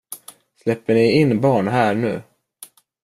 Släpper ni in barn här nu?